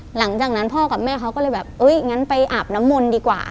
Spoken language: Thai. หลังจากนั้นพ่อกับแม่เขาก็เลยแบบเอ้ยงั้นไปอาบน้ำมนต์ดีกว่า